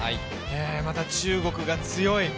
また中国が強い。